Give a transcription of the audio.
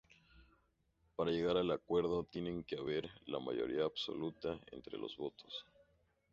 Para llegar al acuerdo tiene que haber la mayoría absoluta entre los votos.